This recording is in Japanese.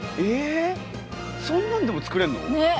そんなんでも作れんの？